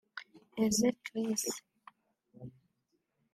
Eze Chris